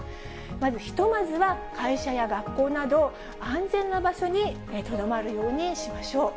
ひとまずは会社や学校など、安全な場所にとどまるようにしましょう。